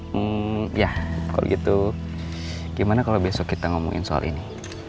hmm ya kalau gitu gimana kalau besok kita ngomongin soal ini